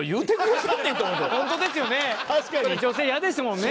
それ女性嫌ですもんね。